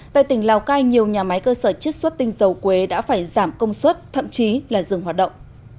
tại tỉnh lào cai nhiều nhà máy cơ sở chiết xuất tinh dầu quế đã phải giảm công suất thậm chí là dừng hoạt động